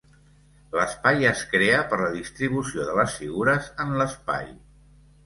L'espai es crea per la distribució de les figures en l'espai.